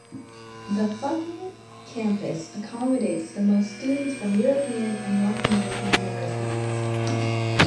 The Phuket campus accommodates the most students from European and North American universities.